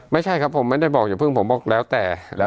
ไม่ใช่ครับผมไม่ได้บอกอย่าเพิ่งผมบอกแล้วแต่